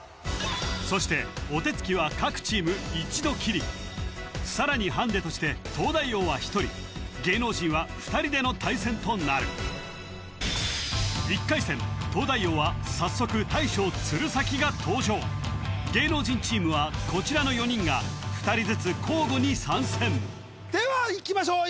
そしてお手付きは各チーム１度きりさらにハンデとして東大王は１人芸能人は２人での対戦となる東大王は早速大将鶴崎が登場芸能人チームはこちらの４人が２人ずつ交互に参戦ではいきましょう